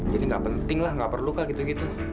jadi gak penting lah gak perlu kak gitu gitu